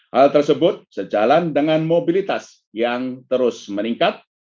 hal tersebut sejalan dengan mobilitas yang terus meningkat